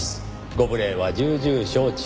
ご無礼は重々承知。